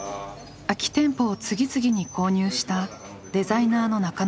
空き店舗を次々に購入したデザイナーの中野さん。